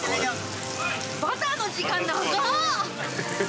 バターの時間長っ！